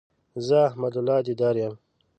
زه احمد الله ديدار يم